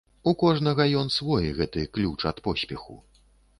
У кожнага ён свой, гэты ключ ад поспеху.